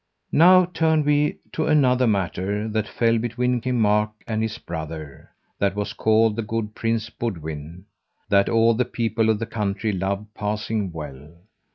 Now turn we to another matter that fell between King Mark and his brother, that was called the good Prince Boudwin, that all the people of the country loved passing well.